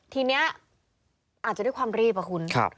ทีนี้อาจจะด้วยความรีบอ่ะคุณ